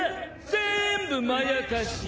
ぜーんぶまやかし。